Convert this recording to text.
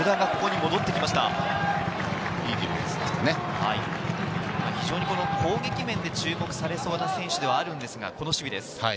いいディフェンスでした攻撃面で注目されそうな選手ではあるんですが、この守備です。